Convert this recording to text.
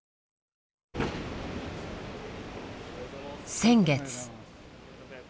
先月。